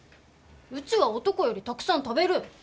うちは男よりたくさん食べる！